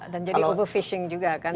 dan jadi over fishing juga kan